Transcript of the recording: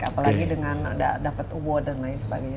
apalagi dengan dapat award dan lain sebagainya